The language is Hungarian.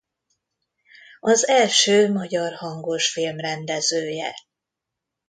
Az első magyar hangosfilm rendezője.